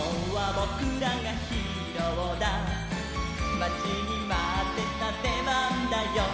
「まちにまってたでばんだよ」